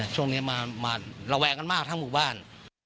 โชคนี้มาละแหวนกันมากทางหมู่บ้าน